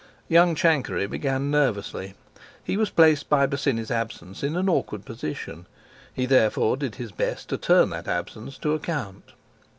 Young Chankery began nervously; he was placed by Bosinney's absence in an awkward position. He therefore did his best to turn that absence to account.